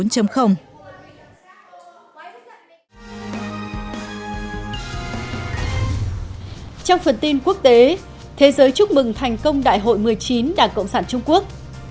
trong phần tin quốc tế thế giới chúc mừng thành công đại hội một mươi chín đảng cộng sản trung quốc